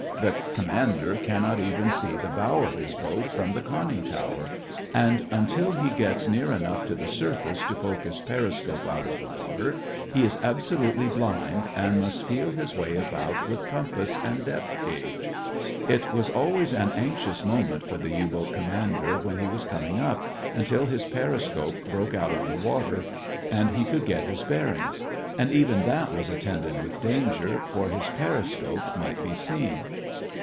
The commander cannot even see the bow of his boat from the conning tower, and until he gets near enough to the surface to poke his periscope out of water he is absolutely blind and must feel his way about with compass and depth gage. It was always an anxious moment for the U boat commander, when he was coming up, until his periscope broke out of the water and he could get his bearings; and even that was attended with danger, for his periscope might be seen.